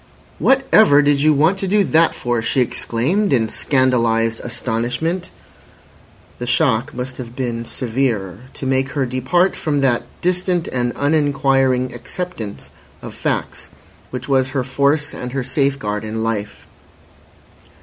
"Whatever did you want to do that for?" she exclaimed, in scandalised astonishment. The shock must have been severe to make her depart from that distant and uninquiring acceptance of facts which was her force and her safeguard in life.